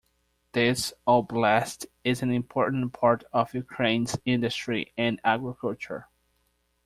This oblast is an important part of Ukraine's industry and agriculture.